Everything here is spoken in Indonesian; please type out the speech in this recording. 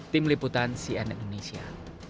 tim liputan cn indonesia